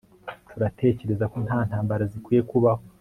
Turatekereza ko nta ntambara zikwiye kubaho